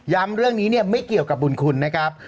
ย้ำเรื่องนี้ไม่เกี่ยวกับบุญคุณนะครับ